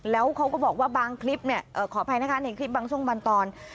แล้วเขาก็บอกว่าบางคลิปเนี่ยขออภัยนะคะในคลิปบางช่วงบางตอน